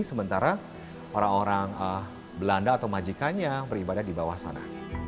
sementara orang orang belanda atau majikannya beribadah di bawah sana